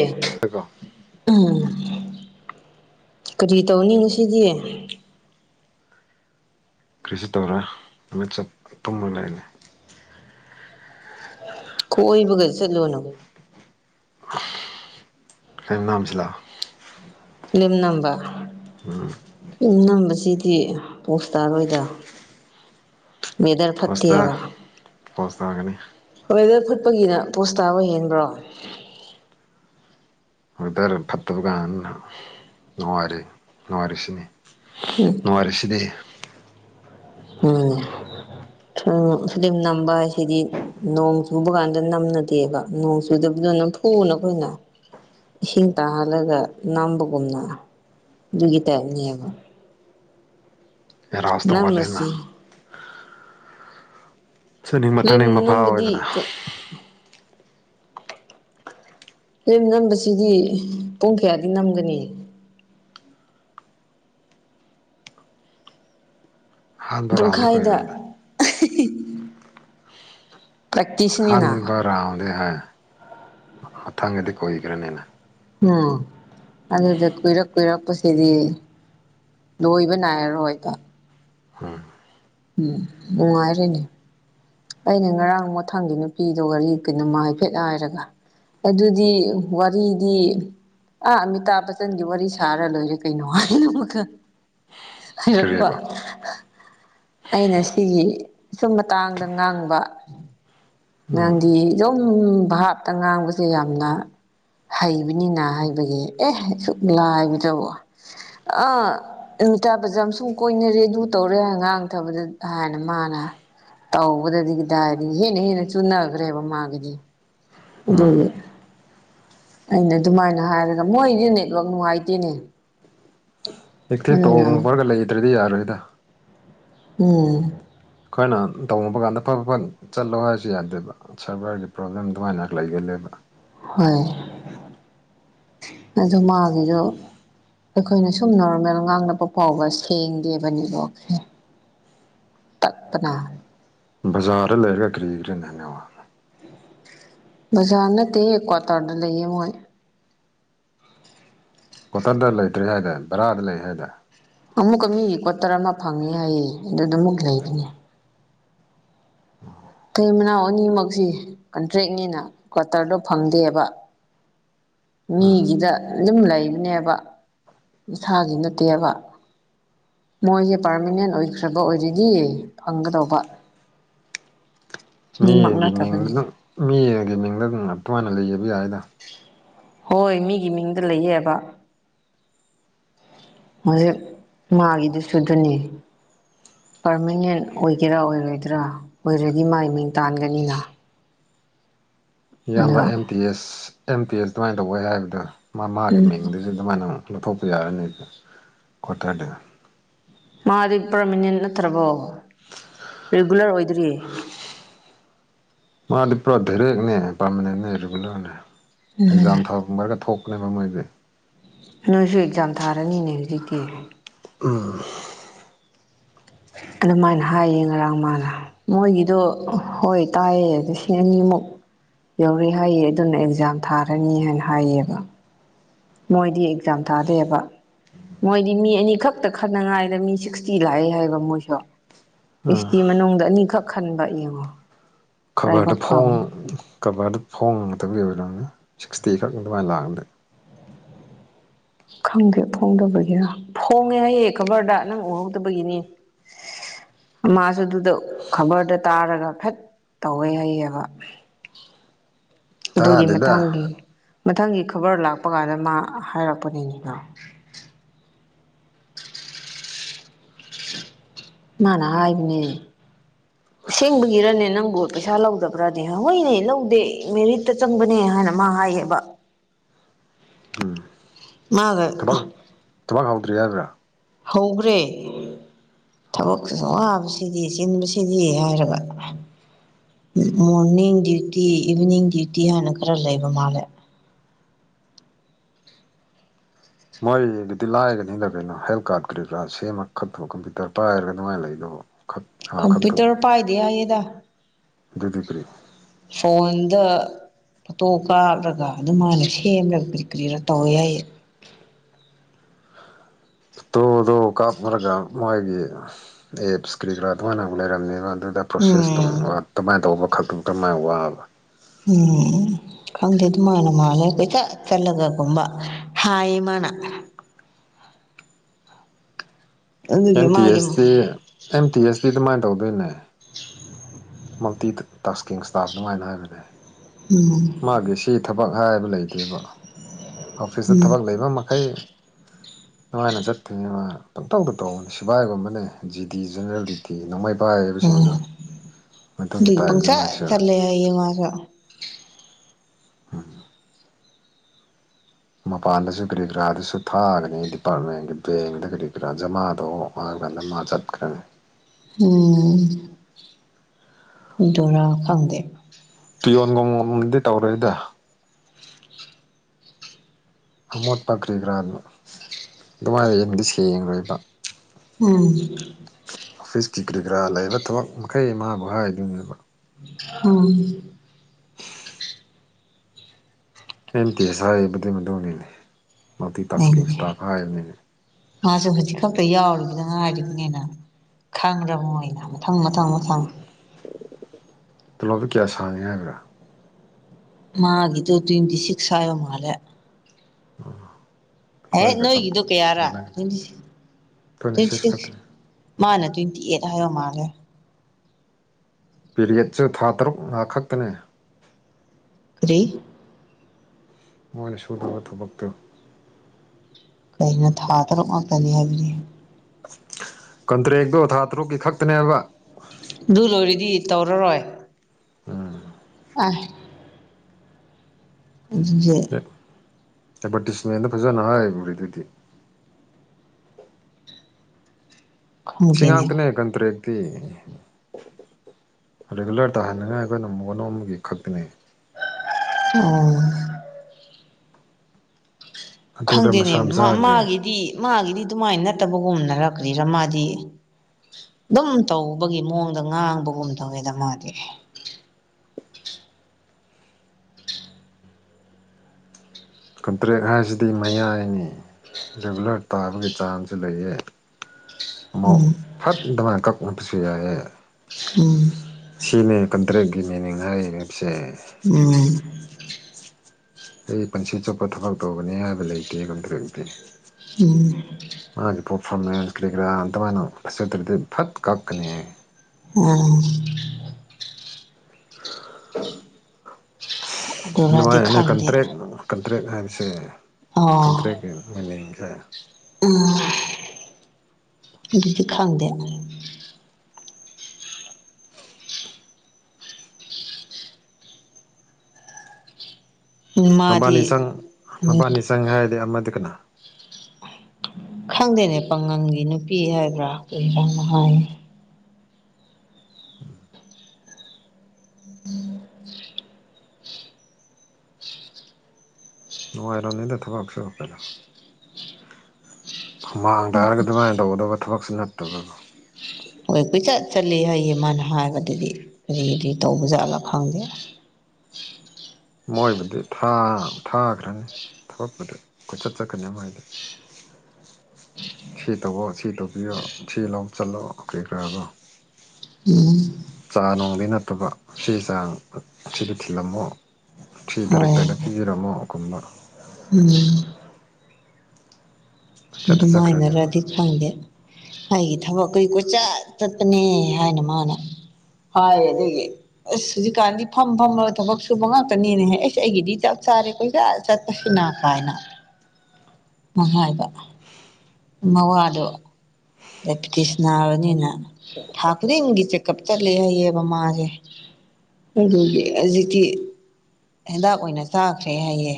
ꯑꯦ ꯀꯣ ꯎꯝ ꯀꯔꯤ ꯇꯧꯅꯤ ꯉꯁꯤꯗꯤ ꯀꯔꯤꯁꯨ ꯇꯧꯔꫭꯏ [unintelligible] ꯆꯞ ꯇꯨꯝ ꯂꯩꯅꯤ ꯀꯣꯏꯕꯒ ꯆꯠꯂꯨꯅꯨ [unintelligible] ꯐꯂꯤꯝ ꯅꯝꯕ ꯎꯝ ꯎꯝ ꯅꯝꯕꯁꯤꯗꯤ ꯄꯣꯁ ꯇꯥꯔꯣꯏꯗ ꯋꯦꯗꯔ ꯄꯣꯁꯇ ꯐꯠꯇꯦꯕ ꯄꯣꯁ ꯇꯥꯒꯅꯤ ꯋꯦꯗꯔ ꯐꯨꯠꯄꯒꯤꯅ ꯄꯣꯁ ꯇꯥꯕ ꯍꯦꯟꯕ꯭ꯔꯣ ꯋꯦꯗꯔ ꯐꯠꯇꯕ ꯀꯥꯟꯗꯅ ꯅꯨꯡꯉꯥꯏꯔꯤ ꯅꯨꯡꯉꯥꯏꯔꯤ ꯁꯤꯅꯤ ꯅꯨꯡꯉꯥꯏꯔꯤꯁꯤꯗꯤ ꯎꯝ ꯐꯂꯤꯝ ꯅꯝꯕ ꯍꯥꯏꯁꯤꯗꯤ ꯅꯣꯡ ꯆꯨꯕ ꯀꯥꯟꯗ ꯅꯝꯅꯗꯦꯕ ꯅꯣꯡ ꯆꯨꯗꯕꯗꯣ ꯅꯝ ꯐꯨꯅ ꯑꯈꯣꯏꯅ ꯏꯁꯤꯡ ꯇꯥꯍꯜꯂꯒ ꯅꯝꯕꯒꯨꯝꯅ ꯑꯗꯨꯒꯤ ꯇꯥꯏꯞꯅꯦꯕ ꯑꯦꯔꯥꯎꯁ ꯅꯝ ꯇꯧꯍꯜꯂꯦꯅ ꯔꯁꯤ ꯁꯨꯅꯤꯡꯕ ꯐꯤꯂꯝ ꯊꯛꯅꯤꯡꯕ ꯅꯝꯕꯗꯤ ꯐꯥꯎꯔꯦꯗꯅ ꯐꯂꯤꯝ ꯅꯝꯕꯁꯤꯗꯤ ꯄꯨꯡ ꯀꯌꯥꯗꯩ ꯅꯝꯒꯅꯤ ꯑꯍꯥꯟꯕ ꯔꯥꯎꯟꯗꯤ ꯕꯨꯡꯈꯥꯏꯗ ꯀꯨꯏꯔꯣꯏꯗ ꯑꯥ ꯍꯤ ꯍꯤ ꯄ꯭ꯔꯦꯛꯇꯤꯁꯅꯤꯅ ꯑꯍꯥꯟꯕ ꯔꯥꯎꯟ ꯅꯩꯦ ꯍꯥꯏ ꯃꯊꯪꯒꯤꯗꯤ ꯀꯨꯏ ꯒ꯭ꯔꯥꯅꯤꯅ ꯎꯝ ꯑꯗꯨꯗꯤ ꯀꯨꯏꯔꯛ ꯀꯨꯏꯔꯛꯄꯁꯤ ꯁꯤꯗꯤ ꯂꯣꯏꯕ ꯅꯥꯏꯔꯔꯣꯏꯗ [unintelligible] ꯎꯝ ꯅꯨꯡꯉꯥꯏꯔꯦꯅꯦ ꯑꯩꯅ ꯉꯔꯥꯡ ꯃꯊꯪꯒꯤ ꯅꯨꯄꯤꯗꯣ ꯒꯥꯔꯤ ꯀꯩꯅꯣꯃꯥꯏ ꯍꯥꯏꯐꯦꯠ ꯍꯥꯏꯔꯒ ꯑꯗꯨꯗꯤ ꯋꯥꯔꯤꯗꯤ ꯑꯥ ꯑꯃꯤꯇꯥꯞ ꯕꯆꯟꯒꯤ ꯋꯥꯔꯤ ꯁꯥꯔ ꯂꯣꯏꯔꯦ ꯀꯩꯅꯣ ꯍꯥꯏ ꯑꯃ ꯈ ꯍꯩꯔꯛꯄ ꯀꯔꯤꯕ ꯑꯩꯅ ꯁꯤ ꯁꯨꯝ ꯃꯇꯥꯡ ꯗ ꯉꯥꯡꯕ ꯎꯝ ꯅꯪꯗꯤ ꯌꯨꯝ ꯚꯥꯞꯇ ꯉꯥꯡꯕꯁꯦ ꯌꯥꯝꯅ ꯍꯩꯕꯅꯤꯅ ꯍꯥꯏꯕꯒꯤ ꯑꯦ ꯁꯨꯛꯂꯥꯏꯕꯗꯨꯕ ꯑꯥ ꯑꯃꯤꯇꯥꯕ ꯕꯖꯝꯁꯨ ꯀꯣꯏꯅꯔꯦ ꯑꯗꯨ ꯇꯧꯔꯦ ꯑꯉꯥꯡꯊꯕꯗ ꯍꯥꯏꯅ ꯃꯥꯅ ꯇꯧꯕꯗꯗꯤ ꯀꯗꯥꯏꯗꯤ ꯍꯦꯟꯅ ꯍꯦꯟꯅ ꯆꯨꯅꯈ꯭ꯔꯦꯕ ꯃꯥꯒꯤꯗꯤ ꯎꯝ ꯑꯗꯨꯅ‌ꯦ ꯑꯩꯅ ꯑꯗꯨꯃꯥꯏꯅ ꯍꯥꯏꯔꯒ ꯃꯣꯏꯗꯤ ꯅꯦꯠꯋꯥꯛ ꯅꯨꯡꯉꯥꯏꯇꯦꯅꯦ ꯍꯊꯦꯛ ꯇꯧꯕꯝ ꯎꯝ ꯈꯔꯒ ꯂꯩꯇ꯭ꯔꯗꯤ ꯌꯥꯔꯣꯏꯗ ꯎꯝ ꯑꯩꯈꯣꯏꯅ ꯇꯧꯉꯨꯕ ꯀꯥꯟꯗ ꯐꯠ ꯐꯠ ꯆꯠꯂꯣ ꯍꯥꯏꯔꯁꯨ ꯌꯥꯗꯦꯕ ꯁꯔꯚꯔꯒꯤ ꯄ꯭ꯔꯣꯕ꯭ꯂꯦꯝ ꯑꯗꯨꯃꯥꯏꯅ ꯂꯩꯒꯜꯂꯦꯕ ꯍꯣꯏ ꯑꯗꫭ ꯃꯥꯒꯤꯗꫭ ꯑꯩꯈꯣꯏꯅ ꯁꯨꯝ ꯅꯣꯔꯃꯦꯜ ꯉꯥꯡꯅꯕ ꯐꯥꯎꯕ ꯁꯦꯡꯗꯦꯕ ꯅꯦꯠꯋꯥꯛꯁꯦ ꯇꯠꯄꯅ ꯕꯖꯥꯔꯗ ꯂꯩꯔꯒ ꯀ꯭ꯔꯤꯒꯤꯔꯅꯦ ꯅꯦꯋꯥꯛ ꯕꯖꯥꯔ ꯅꯠꯇꯦ ꯀ꯭ꯋꯥꯇꯔꯗ ꯂꯩꯌꯦ ꯃꯣꯏ ꯀꯣꯇꯟꯗ ꯂꯩꯇ꯭ꯔꯤ ꯍꯥꯏꯗꯅ ꯕꯔꯥꯗ ꯂꯩ ꯍꯥꯏꯗꯥꯏ ꯑꯃꯨꯛꯀ ꯃꯤ ꯀꯣꯇꯔ ꯑꯃ ꯐꯪꯉꯦ ꯍꯥꯏꯌꯦ ꯑꯗꯨꯗꯨ ꯑꯃꯨꯛ ꯂꯩꯕꯅꯤ [inaudible] ꯃꯇꯩ ꯃꯅꯥꯎ ꯑꯅꯤꯃꯛꯁꯤ ꯀꯟꯇ꯭ꯔꯦꯛꯅꯤꯅ ꯀ꯭ꯋꯥꯇꯔꯗꯣ ꯐꯪꯗꯦꯕ ꯎꯝ ꯃꯤꯒꯤꯗ ꯑꯗꯨꯝ ꯂꯩꯕꯅꯦꯕ ꯃꯁꯥꯒꯤ ꯅꯠꯇꯦꯕ ꯃꯣꯏꯁꯦ ꯄꯥꯔꯃꯤꯅꯦꯟ ꯑꯣꯏꯈ꯭ꯔꯕ ꯑꯣꯏꯔꯗꯤ ꯐꯪꯒꯗꯧꯕ ꯑꯅꯤꯃꯛ ꯃꯤꯒꯤ ꯃꯤꯡꯗ ꯅꯠꯇꯕꯅꯤꯅ ꯃꯤꯒꯤ ꯃꯤꯡꯗ ꯑꯗꯨꯝ ꯑꯗꯨꯃꯥꯏ ꯂꯩꯔꯗꯤ ꯌꯥꯏꯗ ꯍꯣꯏ ꯃꯤꯒꯤ ꯃꯤꯡꯗ ꯂꯩꯌꯦꯕ ꯍꯧꯖꯤꯛ ꯃꯥꯒꯤꯗꯨꯁꯨ ꯑꯗꯨꯅꯤ ꯄꯥꯔꯃꯅꯦꯟ ꯑꯣꯏꯒꯦꯔꯥ ꯑꯣꯏꯔꯣꯏꯗ꯭ꯔꯥ ꯑꯣꯏꯔꯗꯤ ꯃꯥꯒꯤ ꯃꯤꯡ ꯇꯥꯟꯒꯅꯤꯅ ꯏꯌꯥꯝꯕ ꯑꯗꯣ M T S M T S ꯑꯗꯨꯃꯥꯏꯅ ꯇꯧꯏ ꯍꯥꯏꯕꯗꯣ ꯃꯥ ꯃꯥꯒꯤ ꯎꯝ ꯃꯤꯡꯗꯨ ꯑꯗꯨ ꯑꯗꯨꯃꯥꯏꯅ ꯂꯧꯊꯣꯛꯄꯔꯅ‌ꯦꯕ ꯀ꯭ꯋꯥꯇꯔꯗꯩ ꯃꯥꯗꯤ ꯄꯔꯃꯤꯅꯦꯟ ꯅꯠꯇ꯭ꯔꯕꯣ ꯔꯤꯒꯨꯂꯔ ꯑꯣꯏꯗ꯭ꯔꯤ ꯃꯥꯗꯤ ꯄꯨꯔꯥ ꯙꯦꯔꯦꯛꯅꯦ ꯄꯥꯔꯃꯥꯅꯦꯟꯅꯦ ꯔꯤꯒꯨꯂꯔꯅꯦ ꯑꯦꯛꯖꯥꯝ ꯊ ꯈꯃꯔꯒ ꯊꯣꯛꯄꯅꯦꯕ ꯃꯣꯏꯗꯤ ꯅꯣꯏꯁꯨ ꯑꯦꯛꯖꯥꯝ ꯊꯥꯔꯅꯤꯅꯦ ꯍꯧꯖꯤꯛꯇꯤ ꯎꯝ ꯑꯗꯨꯃꯥꯏꯅ ꯍꯥꯏꯌꯦ ꯉꯔꯥꯡ ꯃꯥꯅ ꯃꯣꯏꯒꯤꯗꯣ ꯍꯣꯏ ꯇꯥꯏꯌꯦ ꯂꯤꯁꯤꯡ ꯑꯅꯤꯃꯨꯛ ꯌꯧꯔꯦ ꯍꯥꯏꯌꯦ ꯑꯗꯨꯅ ꯑꯦꯛꯖꯥꯝ ꯊꯥꯔꯅꯤ ꯅ ꯍꯥꯏꯌꯦꯕ ꯃꯣꯏꯗꯤ ꯑꯦꯛꯖꯥꯝ ꯊꯥꯗꯦꯕ ꯃꯣꯏꯗꯤ ꯃꯤ ꯑꯅꯤꯈꯛ ꯈꯛꯇ ꯈꯠꯅꯉꯥꯏꯗ ꯃꯤ ꯁꯤꯛꯁꯇꯤ ꯂꯥꯛꯑꯦ ꯍꯥꯏꯕ ꯃꯣꯏꯁꯨ ꯎꯝ ꯁꯤꯛꯁꯇꯤ ꯃꯅꯨꯡꯗ ꯑꯅꯤꯈꯛ ꯈꯟꯕ ꯌꯦꯡꯉꯣ ꯈꯕꯔꯗꯨ ꯂꯥꯏꯕꯛ ꯐꯣꯡ ꯐꯕ ꯈꯕꯔꯗꯨ ꯐꯣꯡꯕ ꯃꯇꯝꯒꯤ ꯑꯣꯏꯗꯕꯅꯦ ꯁꯤꯛꯁꯇꯤ ꯈꯛ ꯑꯗꯨꯃꯥꯏꯅ ꯂꯥꯛꯑꯗ ꯈꯪꯗꯦ ꯐꯣꯡꯗꯕꯒꯤꯔ ꯐꯣꯡꯉꯦ ꯑ‌ꯦ ꯈꯕꯔꯗ ꯅꯪ ꯎꯍꯧꯗꯕꯒꯤꯅꯤ ꯃꯥꯁꯨ ꯑꯗꯨꯗ ꯈꯕꯔꯗ ꯇꯥꯔꯒ ꯐꯦꯠ ꯇꯧꯋꯦ ꯍꯩꯌꯦꯕ ꯑꯗꯨꯒꯤ ꯇꯥꯗꯦꯗ ꯃꯊꯪꯒꯤ ꯃꯊꯪꯒꯤ ꯈꯕꯔ ꯂꯥꯛꯄ ꯀꯥꯟꯗ ꯃꯥ ꯍꯥꯏꯔꯛꯄꯅꯤꯅ ꯃꯥꯅ ꯍꯥꯏꯗꯨꯅ‌ꯦ ꯁꯦꯡꯕꯒꯤꯔꯅꯦ ꯅꯪꯕꯨ ꯄꯩꯁꯥ ꯂꯧꯗꯕ꯭ꯔꯅꯦ ꯍꯣꯏꯅꯦ ꯂꯧꯗꯦ ꯃꯦꯔꯤꯠꯇ ꯆꯪꯕꯅꯦ ꯍꯥꯏꯅ ꯃꯥ ꯍꯥꯏꯌꯦꯕ ꯎꯝ ꯃꯥꯒ ꯊꯕꯛ ꯍꯧꯗ꯭ꯔꯤ ꯍꯥꯏꯕ꯭ꯔꯥ ꯍꯧꯈ꯭ꯔꯦ ꯑꯣ ꯊꯕꯛꯁꯨ ꯑꯋꯥꯕꯁꯨ ꯁꯤꯗꯤ ꯆꯤꯟꯕꯁꯤꯗꯤ ꯍꯥꯏꯔꯕ ꯃꯣꯔꯅꯤꯡ ꯗ꯭ꯌꯨꯇꯤ ꯏꯚꯤꯅꯤꯡ ꯗ꯭ꯌꯨꯇꯤ ꯍꯥꯏꯅ ꯈꯔ ꯂꯩꯕ ꯃꯥꯜꯂꯦ ꯃꯣꯏ ꯑꯗꯨꯗꯤ ꯂꯥꯏꯒꯅꯤꯗ ꯀꯩꯅꯣ ꯍꯦꯜꯠ ꯀꯥꯔꯠ ꯀꯔꯤ ꯀꯔꯥ ꯁꯦꯝꯃ ꯈꯛꯇꯣ ꯀꯝꯄ꯭ꯌꯨꯇꯔ ꯄꯥꯏꯔꯒ ꯑꯗꯨꯃꯥꯏꯅ ꯂꯩꯗꯧꯕ ꯈꯠ ꯀꯝꯄ꯭ꯌꯨꯇꯔ ꯄꯥꯏꯗꯦ ꯍꯥꯏꯌꯦꯗ ꯑꯗꯨꯗꯤ ꯀ꯭ꯔꯤ ꯐꯣꯟꯗ ꯐꯣꯇꯣ ꯀꯥꯞꯂꯒ ꯑꯗꯨꯝ ꯃꯥꯅ ꯁꯦꯝꯂꯒ ꯀꯔꯤ ꯀꯔꯤꯔ ꯇꯧꯋꯦ ꯍꯥꯏ ꯇꯣꯗꯣ ꯀꯥꯞꯃꯔꯒ ꯃꯣꯏꯒꯤ ꯑꯦ ꯏꯁꯀꯛ ꯔ ꯋꯥꯅꯔꯝꯅꯤꯗ ꯄ꯭ꯔꯣꯁꯦꯁꯇꯨꯡ ꯎꯝ ꯀꯃꯥꯏꯅ ꯇꯧꯕ ꯑꯃꯈꯛꯇ ꯀꯔꯝꯥꯏꯅ ꯋꯥꯕ ꯎꯝ ꯈꯪꯗꯦ ꯑꯗꯨ ꯃꯥꯅ ꯃꯥꯜꯂꯦ ꯑꯩꯈꯣꯏ ꯆꯠ ꯆꯠꯂꯒꯒꯨꯝꯕ ꯍꯥꯏꯌꯦ ꯃꯥꯅ ꯑꯗꯨꯒꯤ ꯑꯦꯝ ꯇꯤ ꯃꯥꯒꯤ S T M T S T ꯑꯗꯨꯃꯥꯏꯅ ꯇꯧꯗꯣꯏꯅꯦ ꯃꯜꯇꯤ ꯇꯥꯁꯀꯤꯡ ꯁ꯭ꯇꯥꯞ ꯑꯗꯨꯃꯥꯏꯅ ꯍꯥꯏꯔꯅꯦꯦ ꯎꯝ ꯃꯥꯒꯤ ꯁꯤ ꯊꯕꯛ ꯍꯥꯏꯕ ꯂꯩꯇꯦꯕ ꯑꯣꯐꯤꯁꯇ ꯎꯝ ꯊꯕꯛ ꯂꯩꯕ ꯃꯈꯩ ꯅꯨꯡꯉꯥꯏꯅ ꯆꯠꯇ꯭ꯅꯦ ꯃꯥꯅ ꯄꯪꯇꯧꯗ ꯇꯧꯕꯅꯦ ꯁꯤꯕꯥꯏꯒꯨꯝꯕꯅꯦ ꯖꯤ ꯗꯤ ꯖꯦꯅꯔꯦꯜꯗꯤ ꯑꯤ ꯅꯣꯡꯃꯩ ꯍꯣꯏ ꯄꯥꯏꯔꯤꯕꯁꯤꯡꯗꯣ ꯑꯗꯨꯒꯤ ꯄꯪꯆꯠ ꯆꯠꯂꯦ ꯍꯥꯏꯌꯦꯡꯉꯁꯨ ꯎꯝ ꯃꯄꯥꯟꯗꯁꯨ ꯀꯔꯤ ꯀꯔꯥ ꯑꯗꯨꯁꯨ ꯊꯥꯒꯅꯤ ꯗꯤꯄꯥꯔꯠꯃꯦꯟꯒꯤ ꯕꯦꯡꯗ ꯀꯔꯤ ꯀꯔꯥ ꯖꯃꯥꯗꯣ ꯋꯥꯔꯀꯥꯟꯗ ꯃꯥ ꯆꯠꯈ꯭ꯔꯅꯤ ꯎꯝ ꯗꯔꯥ ꯈꯪꯗꯦ ꯄꯤꯌꯣꯟꯒꯨꯝꯕꯝꯗꯤ ꯇꯧꯔꯣꯏꯗ ꯑꯃꯣꯠꯄ ꯀ꯭ꯔꯤ ꯀꯔꯥꯗ ꯑꯗꯨꯃꯥꯏꯅ ꯌꯗꯤ ꯁꯦꯡꯈ꯭ꯔꯣꯏꯕ ꯎꯝ ꯑꯣꯐꯤꯁꯀꯤꯤ ꯀꯔꯤ ꯀꯔꯥ ꯂꯩꯕ ꯊꯕꯛ ꯃꯈꯩ ꯃꯥꯕꯨ ꯍꯥꯏꯗꯨꯣꯏꯅꯦꯕ ꯍ ꯑꯦꯝ ꯇꯤ ꯑꯦꯁ ꯍꯥꯏꯔꯤꯕꯗꯤ ꯃꯗꯨꯅꯤꯅꯦ ꯃꯜꯇꯤ ꯇꯥꯁꯀꯤꯡ ꯑꯩꯅꯦ ꯏꯁꯇꯥꯐ ꯍꯥꯏꯕꯅꯤꯅꯦ ꯃꯥꯁꯨ ꯍꯧꯖꯤꯛ ꯈꯛꯇ ꯌꯥꯎꯔꯤꯕꯅ ꯉꯥꯏꯔꯤꯕꯅꯦꯅ ꯈꯥꯡꯗꯕꯣꯏꯅ ꯃꯊꯪ ꯃꯊꯪ ꯃꯊꯪ ꯇꯣꯂꯞꯇꯨ ꯀꯌꯥ ꯁꯥꯡꯉꯦ ꯍꯥꯏꯕ꯭ꯔꯥ ꯃꯥꯒꯤꯗꯣ ꯇ꯭ꯋꯦꯟꯇꯤ ꯁꯤꯛꯁ ꯍꯥꯏꯕ ꯃꯥꯜꯂꯦ ꯍꯦ ꯑꯩꯈꯣꯏꯒ ꯆꯞ ꯅꯣꯏꯒꯤꯗꯣ ꯀꯌꯥꯔꯥ ꯃꯥꯟꯅꯒꯅꯤ ꯇ꯭ꯋꯦꯟꯇꯤ ꯇ꯭ꯋꯦꯟꯇꯤ ꯁꯤꯛꯁ ꯃꯥꯅ ꯇ꯭ꯋꯦꯟꯇꯤ ꯑꯩꯠ ꯍꯥꯏꯌꯣ ꯃꯥꯜꯂꯦ ꯄꯦꯔꯤꯌꯦꯠꯁ ꯊꯥ ꯇꯔꯨꯛ ꯉꯥ ꯈꯛꯇꯅꯦ ꯔꯤ ꯃꯣꯏꯅ ꯁꯨꯗꯕ ꯊꯕꯛꯇꯣ ꯀꯩꯅꯣ ꯊꯥ ꯇꯔꯨꯛ ꯉꯥꯛꯇꯅꯤ ꯍꯥꯏꯕꯗꯤ ꯀꯟꯇ꯭ꯔꯦꯛꯇꯣ ꯊꯥ ꯇꯔꯨꯛꯀꯤ ꯈꯛꯇꯅꯦꯕ ꯗꯨ ꯂꯣꯏꯔꯗꯤ ꯇꯧꯔꯔꯣꯏ ꯎꯝ ꯑꯥꯏ ꯑꯗꯨꯗꯤ ꯑꯦꯗꯚꯔꯇꯤꯁꯃꯦꯟꯗ ꯐꯖꯅ ꯍꯥꯏꯕꯦꯔꯤꯗꯨꯗꯤ ꯁꯤ ꯈꯪꯗꯦꯅꯦ ꯉꯥꯛꯇꯅꯦ ꯀꯟꯇ꯭ꯔꯦꯛ ꯇꯤ ꯔꯤꯒꯨꯂꯔ ꯇꯥꯍꯟꯅꯤꯡꯉꯥꯏ ꯑꯩꯈꯣꯏꯅ ꯑꯃꯨꯛ ꯋꯥꯅꯣꯝꯃꯒꯤ ꯈꯛꯇꯅꯦ ꯑꯣ ꯑꯗꯨꯗ ꯈꯪꯗꯦꯅꯦ ꯃꯁꯥ ꯃꯥ ꯃꯁꯥꯒꯤ ꯃꯥꯒꯤꯗꯤ ꯃꯥꯒꯤꯗꯤ ꯑꯗꯨꯃꯥꯏꯅ ꯅꯠꯇꯕꯒꯨꯝꯅꯔ ꯀꯔꯤꯔ ꯃꯥꯗꯤ ꯗꯨꯝ ꯇꯧꯕꯒꯤ ꯃꯑꯣꯡꯗ ꯉꯥꯡꯕꯒꯨꯝ ꯇꯧꯋꯦꯗ ꯃꯥꯗꯤ ꯀꯟꯇ꯭ꯔꯦꯛ ꯍꯥꯏꯁꯤꯗꯤ ꯃꯌꯥꯏꯅꯦ ꯔꯤꯒꯨꯂꯔ ꯇꯥꯕꯒꯤ ꯆꯥꯡꯁꯨ ꯂꯩꯌꯦ ꯃꯨꯛ ꯎꯝ ꯐꯠ ꯑꯗꯨꯃꯥꯏꯅ ꯀꯛꯠꯄꯁꯨ ꯌꯥꯏꯌꯦ ꯎꯝ ꯁꯤꯅꯦ ꯀꯟꯇ꯭ꯔꯦꯛꯀꯤ ꯃꯤꯅꯤꯡ ꯍꯥꯏꯔꯤꯕꯁꯦ ꯎꯝ ꯑꯩ ꯄꯨꯟꯁꯤ ꯆꯨꯞꯄ ꯊꯕꯛ ꯇꯧꯕꯅꯦ ꯍꯥꯏꯕ ꯂꯩꯇꯦ ꯀꯟꯇꯔꯦꯛꯇꯤ ꯎꯝ ꯃꯥꯒꯤ ꯄꯣꯐꯣꯔꯃꯦꯟꯁ ꯀꯔꯤ ꯀꯔꯥ ꯑꯗꯨꯃꯥꯏꯅ ꯐꯆꯠꯇ꯭ꯔꯗꯤ ꯐꯠ ꯀꯛꯀꯅꯤ ꯎꯝ ꯑꯗꯨꯔꯗꯤ ꯑꯗꯨꯃꯥꯏꯅꯅꯦ ꯈꯪꯗꯦ ꯀꯟꯇ꯭ꯔꯦꯛ ꯀꯟꯇ꯭ꯔꯦꯛ ꯍꯥꯏꯕꯁꯦ ꯑꯣ ꯀꯟꯇ꯭ꯔꯦꯛꯀꯤ ꯃꯤꯅꯤꯡꯁꯦ ꯎꯝ ꯑꯗꯨꯗꯤ ꯈꯪꯗꯦ ꯃꯥꯗꯤ ꯃꯕꯥꯅꯤ ꯆꯪ ꯃꯕꯥꯅꯤ ꯆꯪ ꯍꯥꯏꯔꯗꯤ ꯑꯃꯗꯤ ꯀꯅꯥ ꯈꯪꯗꯦꯅꯦ ꯄꯥꯡꯉꯜꯒꯤ ꯅꯨꯄꯤ ꯍꯥꯏꯕ꯭ꯔꯥ ꯀꯏꯔ ꯑꯃ ꯍꯥꯏꯌꯦ ꯎꯝ ꯅꯨꯡꯉꯥꯏꯔꯝꯅꯤꯗ ꯊꯕꯛꯁꯨ ꯀꯩꯅꯣ ꯍꯨꯃꯥꯡ ꯗꯥꯔꯒ ꯑꯗꯨꯃꯥꯏꯅ ꯇꯧꯒꯗꯕ ꯊꯕꯛꯁꯨ ꯅꯠꯇꯕꯀꯣ ꯃꯣꯏ ꯀꯨꯏꯆꯠ ꯆꯠꯂꯤ ꯍꯥꯏꯌꯦ ꯃꯥꯅ ꯍꯥꯏꯕꯗꯗꯤ ꯀꯔꯤ ꯀꯔꯤ ꯇꯧꯕ ꯖꯥꯠꯂꯥ ꯈꯪꯗꯦ ꯃꯣꯏꯕꯨꯗꯤ ꯊꯥ ꯊꯥꯈ꯭ꯔꯅꯤ ꯊꯕꯛꯄꯨꯗꯤ ꯀꯣꯏꯆꯠ ꯆꯠꯀꯅꯤ ꯃꯣꯏꯗꯤ ꯁꯤ ꯇꯧꯑꯣ ꯁꯤ ꯇꯧꯕꯤꯌꯣ ꯁꯤ ꯂꯥꯎ ꯆꯠꯂꯣ ꯀꯔꯤ ꯀꯔꯥꯗꯣ ꯎꯝ ꯆꯥ ꯅꯨꯡꯗꯤ ꯅꯠꯇꯕ ꯁꯤ ꯆꯥꯡ ꯁꯤꯗ ꯊꯤꯜꯂꯝꯃꯣ ꯁꯤ ꯍꯣꯏ ꯗꯥꯏꯔꯦꯛꯇꯔꯗ ꯄꯤꯔꯝꯃꯣ ꯒꯨꯝꯕ ꯎꯝ ꯆꯠꯇꯤ ꯆꯠꯈ꯭ꯔꯅꯦꯕ ꯑꯗꯨꯃꯥꯏꯅꯔꯗꯤ ꯈꯪꯗꯦ ꯑꯩꯒꯤ ꯊꯕꯛ ꯀꯩ ꯀꯣꯏꯆꯠ ꯆꯠꯄꯅꯦ ꯍꯥꯏꯅ ꯃꯥꯅ ꯍꯥꯏ ꯑꯗꯨꯒꯤ ꯑꯁ ꯍꯧꯖꯤꯛꯀꯥꯟꯗꯤ ꯐꯝ ꯐꯝꯃꯕ ꯊꯕꯛ ꯁꯨꯕ ꯉꯥꯛꯇꯅꯦꯅꯦꯍ ꯑꯩꯁ ꯑꯩꯒꯤꯗꯤ ꯆꯞ ꯆꯥꯔꯦꯀꯣ ꯑꯩꯁꯤꯅꯄꯥꯏꯅ [unintelligible] ꯃꯋꯥꯗꯣ ꯗꯥꯏꯄꯤꯇꯤꯁ ꯅꯥꯔꯕꯅꯤꯅ ꯊꯥ ꯈꯨꯗꯤꯡꯒꯤ ꯆꯦꯛꯀꯞ ꯆꯠꯂꯦ ꯍꯥꯏꯌꯦꯕ ꯃꯥꯁꯦ ꯑꯗꯨꯒꯤ ꯍꯧꯖꯤꯛꯀꯤ ꯍꯦꯟꯗꯥꯛ ꯑꯣꯏꯅ ꯆꯥꯈ꯭ꯔꯦ ꯍꯑꯦ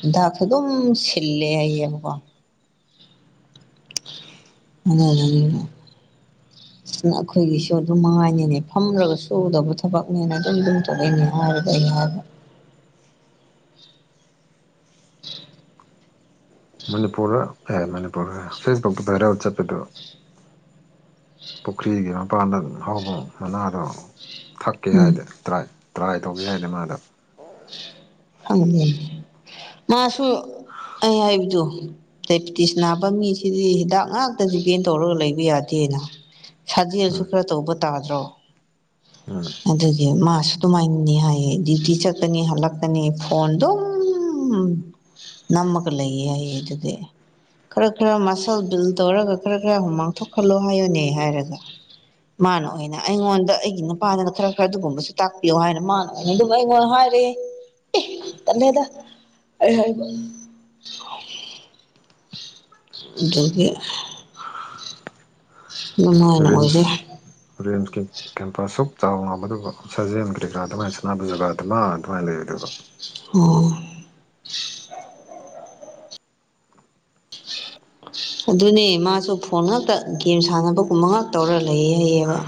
ꯍꯦꯟꯗꯥꯛꯁꯨ ꯑꯗꯨꯝ ꯁꯤꯜꯂꯦ ꯍꯌꯦꯡꯕꯀꯣ ꯑꯅꯤ ꯑꯩꯈꯣꯏꯒꯤꯁꯨ ꯑꯗꯨꯝ ꯃꯉꯥꯏꯅꯤꯅꯦ ꯐꯝꯂꯒ ꯁꯨꯗꯕ ꯊꯕꯛꯅꯦꯅ ꯑꯗꯨꯝ ꯑꯗꯨꯝ ꯊꯣꯛꯂꯏꯅꯦ ꯍꯥꯏꯔꯒ ꯑꯩ ꯍꯥꯏꯕ [inaudible] ꯃꯅꯤꯄꯨꯔ ꯍꯦ ꯃꯅꯤꯄꯨꯔ ꯐꯦꯁꯕꯨꯛꯇ ꯔꯦ ꯋꯥꯠꯆꯑꯗꯣ ꯄꯨꯈ꯭ꯔꯤꯒꯤ ꯃꯄꯥꯟꯗ ꯑꯗꯨꯝ ꯍꯧꯕ ꯃꯅꯥꯗꯣ ꯊꯛꯀꯦ ꯎꯝ ꯍꯥꯏꯗꯤ ꯇ꯭ꯔꯥꯏ ꯇ꯭ꯔꯥꯏ ꯇꯧꯒꯦ ꯍꯥꯏꯗꯅ ꯃꯥꯗ ꯈꯪꯅꯤ ꯃꯥꯁꯨ ꯑꯩ ꯍꯥꯏꯕꯗꯨ ꯗꯥꯏꯕꯦꯇꯤꯁ ꯅꯥꯕ ꯃꯤꯁꯤꯗꯤ ꯍꯤꯗꯥꯛ ꯉꯥꯛꯇ ꯗꯤꯄꯦꯟ ꯇꯧꯔꯒ ꯂꯩꯕ ꯌꯥꯗꯦꯅ ꯁꯥꯖꯦꯜꯁꯨ ꯎꯝ ꯈꯔ ꯇꯧꯕ ꯇꯥꯗ꯭ꯔꯣ ꯎꯝ ꯑꯗꯨꯒꯤ ꯃꯥꯁꯨ ꯑꯗꯨꯃꯥꯏꯅꯅꯤ ꯍꯥꯏꯌꯦ ꯗ꯭ꯌꯨꯇꯤ ꯆꯠꯀꯅꯤ ꯍꯜꯂꯛ ꯀꯅꯤ ꯐꯣꯟꯗꯨ ꯅꯝꯃꯒ ꯂꯩꯌꯦ ꯑꯩ ꯑꯗꯨꯗꯤ ꯈꯔ ꯈꯔ ꯃꯁꯜ ꯕꯤꯜ ꯇꯧꯔꯒ ꯈꯔ ꯈꯔ ꯃꯥꯡꯊꯣꯛꯍꯜꯂꯣ ꯍꯥꯏꯌꯨꯅꯦ ꯍꯥꯏꯔꯒ ꯃꯥꯅ ꯑꯣꯏꯅ ꯑꯩꯉꯣꯟꯗ ꯑꯩꯒꯤ ꯅꯨꯄꯥꯗꯅ ꯈꯔ ꯈꯔ ꯑꯗꯨꯒꯨꯝꯕꯁꯨ ꯇꯥꯛꯄꯤꯌꯣ ꯍꯥꯏꯅ ꯃꯥꯅ ꯑ ꯑꯗꯨꯃꯥꯏ ꯋꯥ ꯍꯥꯏꯔꯦ ꯇꯂꯗ ꯑꯩ ꯍꯥꯏꯕ ꯑꯗꯨꯗꯒꯤ ꯔꯤꯝꯁ [unintelligible] [unintelligible] ꯀꯦꯝꯄꯁ ꯁꯨꯛ ꯆꯥꯎ ꯉꯝꯕꯗꯨꯕꯨ ꯁꯥꯖꯦꯜ ꯀꯔꯤ ꯀꯔꯥ ꯑꯗꯨꯃꯥꯏꯅ ꯁꯥꯟꯅꯕ ꯖꯒꯥꯗꯨꯃ ꯑꯗꯨꯃꯥꯏꯅ ꯂꯩꯕ ꯑꯗꯨꯒ꯫ ꯑꯣ ꯑꯗꯨꯅꯦ ꯃꯥꯁꯨ ꯐꯣꯟ ꯉꯥꯛꯇ ꯒꯦꯝ ꯁꯥꯟꯅꯕꯒꯨꯝꯕ ꯉꯥꯛ ꯇꯧꯔ ꯂꯩꯌꯦ ꯍꯩꯌꯦꯕ꯫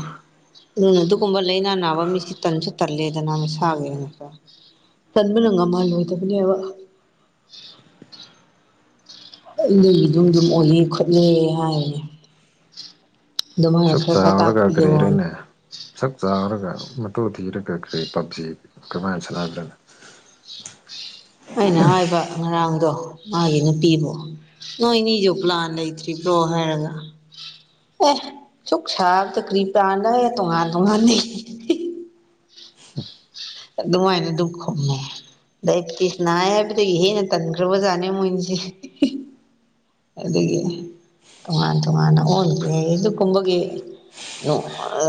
ꯑꯗꯨꯅ ꯑꯗꯨꯒꯨꯝꯕ ꯂꯥꯏꯅꯥ ꯅꯥꯕ ꯃꯤꯁꯤ ꯇꯟꯁꯨ ꯇꯜꯂꯦꯗꯅ ꯃꯁꯥꯒꯤ ꯇꯟꯕꯅ ꯉꯝꯃꯜꯂꯣꯏꯗꯕꯅꯦꯕ꯫ ꯑꯗꯨꯒꯤ ꯑꯗꯨꯝ ꯑꯗꯨꯝ ꯑꯣꯏꯌꯦ ꯈꯠꯅꯩꯌꯦ ꯍꯥꯏꯌꯦ꯫ ꯑꯗꯨꯃꯥꯏꯅ ꯁꯨꯛ ꯈꯔ ꯈꯔ ꯆꯥꯎꯔꯒ ꯇꯥꯛꯄꯤ ꯌꯣ꯫ ꯀꯔꯤꯔꯅꯦ ꯁꯛ ꯆꯥꯔꯒ ꯃꯇꯨ ꯊꯤꯔꯒ ꯀꯈ꯭ꯔꯤ ꯄꯛꯆꯤ ꯀ꯭ꯔꯃꯥꯏꯅ ꯁꯥꯟꯅꯕ꯭ꯔ ꯑꯩꯅ ꯍꯥꯏꯕ ꯉꯔꯥꯡꯗꯣ ꯃꯥꯒꯤ ꯅꯨꯄꯤꯕꯨ꯫ ꯅꯣꯏꯅꯤꯖꯨ ꯄꯂꯟ ꯂꯩꯇ꯭ꯔꯤ ꯄ꯭ꯔꯣ ꯍꯥꯏꯒ ꯑꯦ ꯁꯨꯛ ꯁꯥꯕꯗ ꯀ꯭ꯔꯤ ꯄꯥꯟꯔꯌꯦ ꯇꯣꯉꯥꯟ ꯇꯣꯉꯥꯟꯅꯤ ꯑꯗꯨꯃꯥꯏꯅ ꯑꯗꯨꯝ ꯈꯨꯃꯦ꯫ [unintelligible] ꯅꯥꯏ ꯍꯥꯏꯕꯗꯒꯤ ꯍꯦꯟꯅ ꯇꯟꯈ꯭ꯔꯕꯖꯥꯠꯅꯦ ꯃꯣꯏꯅꯤꯁꯦ꯫ ꯑꯗꯒꯤ ꯇꯣꯉꯥꯟ ꯇꯣꯉꯥꯟꯅ ꯑꯣꯟꯈꯦ ꯑꯗꯨꯀꯨꯝꯕꯒꯤ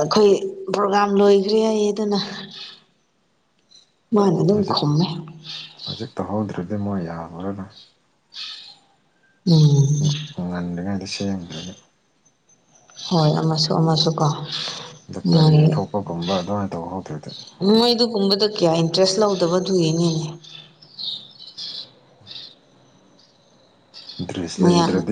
ꯑꯈꯣꯏ ꯄ꯭ꯔꯣꯒꯥꯝ ꯂꯣꯏꯈ꯭ꯔꯦ ꯑꯩ ꯑꯗꯨꯅ ꯃꯥꯅ ꯑꯗꯨꯝ ꯈꯨꯝꯃꯦ꯫ ꯍꯧꯗ꯭ꯔꯗꯤ ꯃꯣꯏ ꯌꯥꯕ꯭ꯔꯅꯦ꯫ ꯎꯝ ꯑꯩ ꯉꯔꯥꯡꯗꯤ ꯁꯦꯡꯗ꯭ꯔꯦꯍꯦ ꯍꯣꯏ ꯑꯃꯁꯨ ꯑꯃꯁꯨꯀꯣ ꯗꯥꯛꯇꯔ ꯌꯦꯟꯊꯣꯛꯄꯒꯨꯝꯕ ꯑꯗꯨꯃꯥꯏꯅ ꯇꯧ ꯍꯧꯗ꯭ꯔꯗꯤ꯫ ꯃꯣꯏ ꯑꯗꯨꯒꯨꯝꯕꯗ ꯀꯌꯥ ꯏꯟꯇꯔꯦꯁ ꯂꯧꯗꯕꯗꯨꯏꯅꯦ꯫ ꯏꯟꯗ꯭ꯔꯦꯁ ꯃꯌꯥꯝ ꯂꯩꯗ꯭ꯔꯗꯤ